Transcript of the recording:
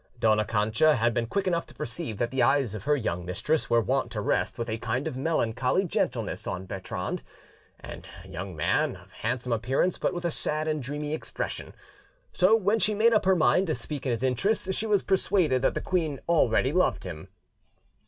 Dona Cancha had been quick enough to perceive that the eyes of her young mistress were wont to rest with a kind of melancholy gentleness on Bertrand, a young man of handsome appearance but with a sad and dreamy expression; so when she made up her mind to speak in his interests, she was persuaded that the queen already loved him.